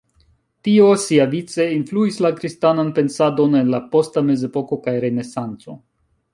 Tio siavice influis la kristanan pensadon en la posta Mezepoko kaj Renesanco.